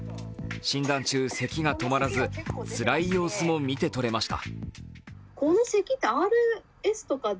診断中、せきが止まらず、つらい様子も見てとれました。